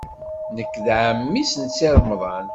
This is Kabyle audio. Nekk d ɛemmi-s n Si Remḍan.